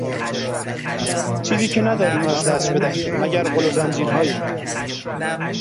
چیزی که نداریم از دست بدهیم مگر غل و زنجیرهایمان.